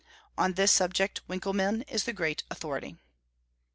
On this subject Winckelmann is the great authority.